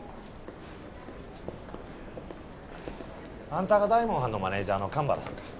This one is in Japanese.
あんたが大門はんのマネージャーの神原さんか。